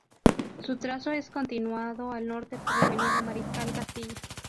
Su trazo es continuado al norte por la avenida Mariscal Castilla.